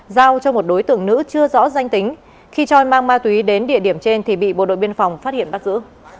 giao cho một đối tượng nữ chưa rõ danh tính khi choi mang ma túy đến địa điểm trên thì bị bộ đội biên phòng phát hiện bắt giữ